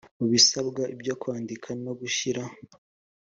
mu bisabwa byo kwandika no gushyira